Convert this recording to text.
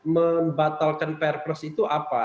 membatalkan perpres itu apa